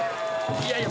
いやいや。